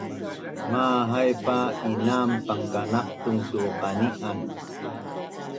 Mahaip pa inam pangkanaqtung tu qani’an